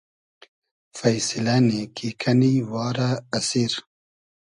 فݷسیلۂ نۂ کی کئنی وا رۂ اسیر